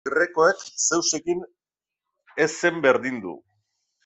Grekoek Zeusekin ez zen berdindu.